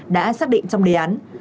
đã xác định trong đề án